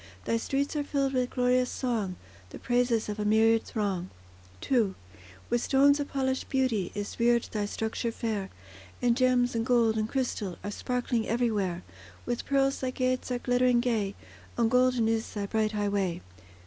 Thy streets are filled with glorious song, The praises of a myriad throng. II With stones of polished beauty Is reared thy structure fair; And gems, and gold, and crystal Are sparkling everywhere; With pearls thy gates are glittering gay, And golden is thy bright highway.